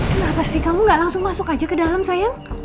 kenapa sih kamu gak langsung masuk aja ke dalam saya